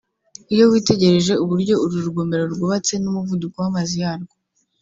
Iyo witegereje uburyo uru rugomero rwubatse n’umuvuduko w’amazi yarwo